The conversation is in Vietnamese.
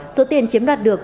số tiền chiếm đoạt được